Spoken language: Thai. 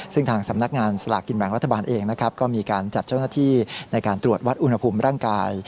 ซึ่งทางสำนักงานสลากกินแบ่งรัฐบาลเองนะครับก็มีการจัดเจ้าหน้าที่ในการตรวจวัดอุณหภูมิร่างกาย